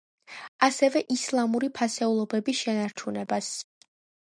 ასევე ისლამური ფასეულობების შენარჩუნებას.